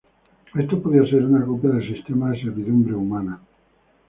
Esto podía ser una copia del sistema de servidumbre humana.